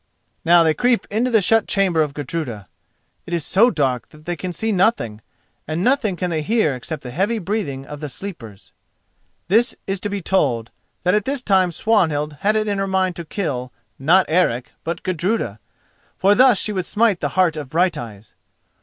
Now they creep into the shut chamber of Gudruda. It is so dark that they can see nothing, and nothing can they hear except the heavy breathing of the sleepers. This is to be told, that at this time Swanhild had it in her mind to kill, not Eric but Gudruda, for thus she would smite the heart of Brighteyes.